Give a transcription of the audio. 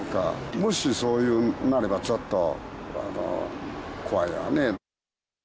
もしそうなれば、ちょっと怖いわね。